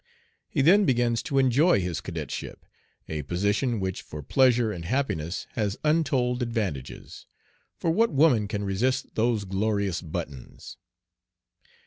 He then begins to enjoy his cadetship, a position which for pleasure and happiness has untold advantages, for what woman can resist those glorious buttons?